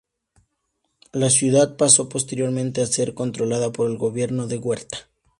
La ciudad pasó posteriormente a ser controlada por el gobierno de Huerta.